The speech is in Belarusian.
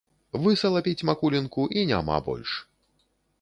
Высалапіць макулінку, і няма больш.